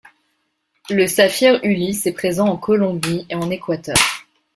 Le saphir ulysse est présent en Colombie et en Équateur.